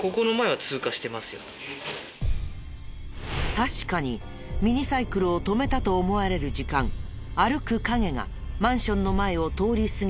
確かにミニサイクルを止めたと思われる時間歩く影がマンションの前を通り過ぎていく。